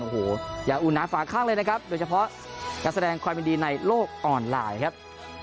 โอ้โหอย่าอุ่นน้ำฝาข้างเลยนะครับโดยเฉพาะการแสดงความยินดีในโลกออนไลน์ครับ